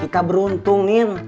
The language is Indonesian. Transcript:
kita beruntung nin